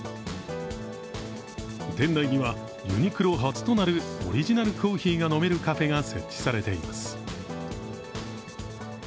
店内にはユニクロ初となるオリジナルコーヒーが飲めるカフェが設置されています。